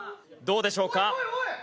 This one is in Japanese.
どうでしょうか？